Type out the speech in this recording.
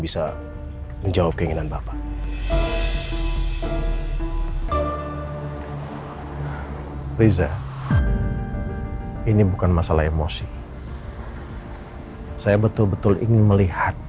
bisa menjawab keinginan bapak riza ini bukan masalah emosi saya betul betul ingin melihat